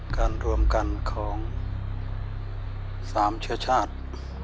การรวมกันของสามเชื้อชาติ